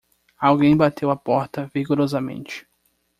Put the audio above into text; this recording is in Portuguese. Alguém bateu a porta vigorosamente